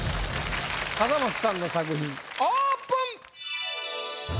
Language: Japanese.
笠松さんの作品オープン！